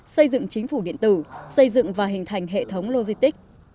xây dựng chính phủ điện tử xây dựng và hình thành hệ thống logistic